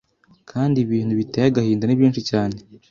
Kandi ibintu biteye agahinda nibyinshi cyane